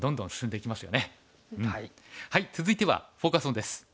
続いてはフォーカス・オンです。